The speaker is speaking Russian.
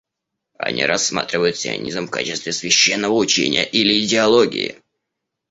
Они рассматривают сионизм в качестве священного учения или идеологии.